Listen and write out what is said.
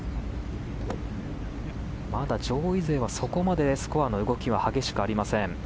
まだ上位勢はそこまでスコアの動きは激しくありません。